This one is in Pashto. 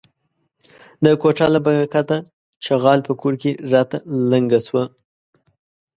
د کوټه له برکته ،چغاله په کور کې راته لنگه سوه.